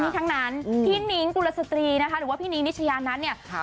ทั้งนั้นพี่นิ้งกุลสตรีนะคะหรือว่าพี่นิ้งนิชยานั้นเนี่ย